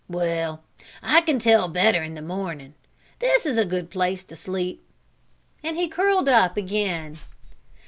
Well, I can tell better in the mornin'. This is a good place to sleep." And he curled up again.